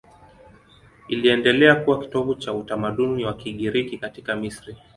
Iliendelea kuwa kitovu cha utamaduni wa Kigiriki katika Misri.